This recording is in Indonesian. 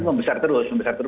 membesar terus membesar terus